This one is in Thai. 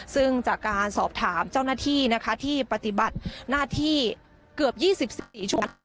ซึ่งจากการสอบถามเจ้าหน้าที่นะคะที่ปฏิบัติหน้าที่เกือบยี่สิบสิบสี่ชั่วโมง